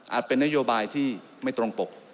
เป็นนโยบายที่ไม่ตรงปก